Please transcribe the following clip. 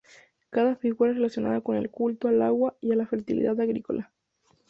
Cada figura es relacionada con el culto al agua y a la fertilidad agrícola.